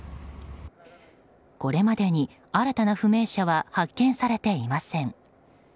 これまでに新たな不明者は発見されていません。